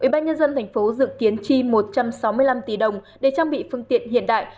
ubnd tp hcm dự kiến chi một trăm sáu mươi năm tỷ đồng để trang bị phương tiện hiện đại